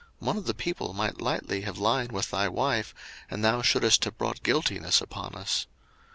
one of the people might lightly have lien with thy wife, and thou shouldest have brought guiltiness upon us.